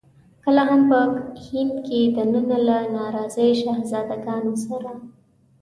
کله هم په هند کې دننه له ناراضي شهزاده ګانو سره.